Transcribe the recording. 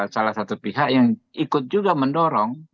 salah satu pihak yang ikut juga mendorong